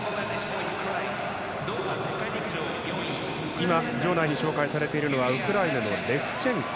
今、場内に紹介されているのはウクライナのレフチェンコ。